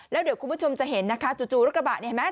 แล้วเดี๋ยวคุณผู้ชมจะเห็นนะคะจู่รถกระบะนี่เห็นไหม